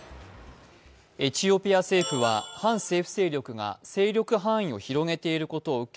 エチオピア政府は、反政府勢力が勢力を広げていることを受け